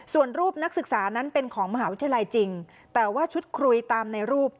ส่วนรูปนักศึกษานั้นเป็นของมหาวิทยาลัยจริงแต่ว่าชุดคุยตามในรูป